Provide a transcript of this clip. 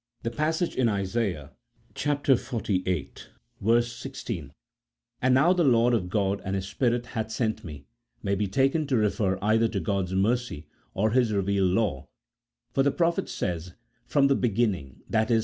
The passage in Isaiah xlviii. 16, "And now the Lord God and His Spirit hath sent me," may be taken to refer either to God's mercy or His revealed law ; for the prophet says, "From the beginning" (i.e.